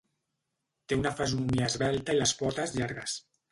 Té una fesomia esvelta i les potes llargues.